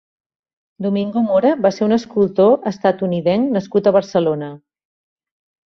Domingo Mora va ser un escultor estatunidenc nascut a Barcelona.